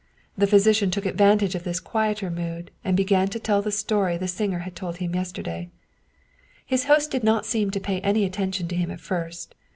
The physician took advantage of this quieter mood, and began to tell the story the singer had told him yesterday. His host did not seem to pay any attention to him at first.